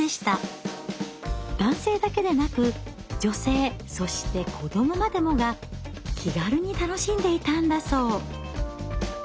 男性だけでなく女性そして子どもまでもが気軽に楽しんでいたんだそう。